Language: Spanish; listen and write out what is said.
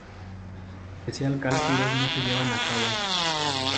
Especial cálculos no se llevan a cabo.